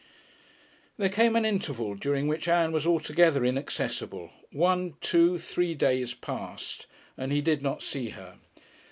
There came an interval during which Ann was altogether inaccessible. One, two, three days passed, and he did not see her.